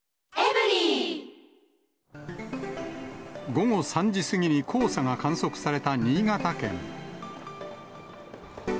午後３時過ぎに黄砂が観測された新潟県。